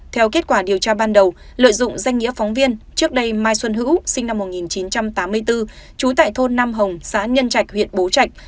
theo kết quả điều tra ban đầu lợi dụng danh nghĩa phóng viên trước đây mai xuân hữu sinh năm một nghìn chín trăm tám mươi bốn trú tại thôn nam hồng xã nhân trạch huyện bố trạch